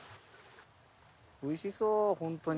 おいしそう本当に。